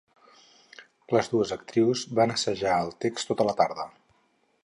Les dues actrius van assajar el text tota la tarda.